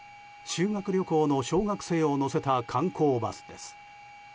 修学旅行の小学生を乗せた観光バスです。